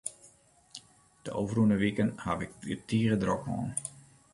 De ôfrûne wiken haw ik it tige drok hân.